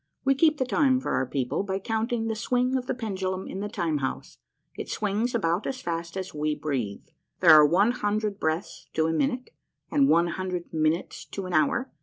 We keep the time for our people by counting the swing of the pendulum in the Time House. It swings about as fast as we breathe. There are one hundred breaths to a minute and one hundred minutes to an hour.